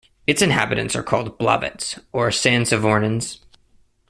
Its inhabitants are called "Blavets" or "Sansavornins".